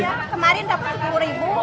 kemarin dapat rp sepuluh